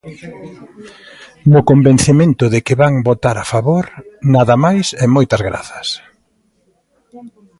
No convencemento de que van votar a favor, nada máis e moitas grazas.